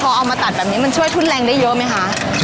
พอเอามาตัดแบบนี้มันช่วยทุนแรงได้เยอะไหมคะ